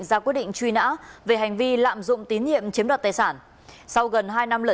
ra quyết định truy nã về hành vi lạm dụng tín nhiệm chiếm đoạt tài sản